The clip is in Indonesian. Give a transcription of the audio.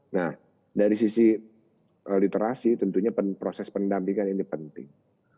nah dari sisi literasi tentunya proses pendampingan ini penting